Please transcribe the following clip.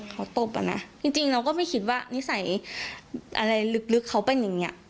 เขาตบอะนะจริงเราก็ไม่คิดว่านิสัยอะไรลึกเขาเป็นอย่างนี้